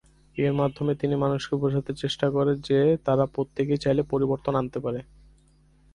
এর মাধ্যমে তিনি মানুষকে বোঝাতে চেষ্টা করেন যে তারা প্রত্যেকেই চাইলে পরিবর্তন আনতে পারে।